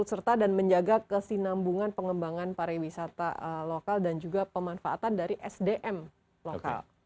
serta dan menjaga kesinambungan pengembangan pariwisata lokal dan juga pemanfaatan dari sdm lokal